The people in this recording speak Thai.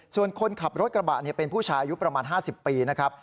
ส่วนคนขับรถกระบะเป็นผู้ชายอายุประมาณ๕๐ปีนะครับ